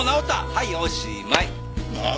はいおしまい。